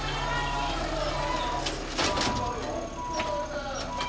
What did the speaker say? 結構あるな。